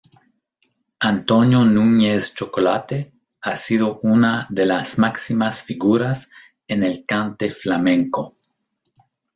Antonio Nuñez "Chocolate", ha sido una de las máximas figuras en el Cante Flamenco.